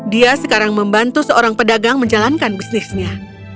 dia sekarang membantu seorang pedagang menjalankan bisnisnya